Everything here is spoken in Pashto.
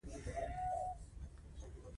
بران د غنم پوټکی دی او فایبر لري.